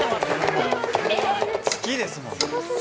突きですもんね。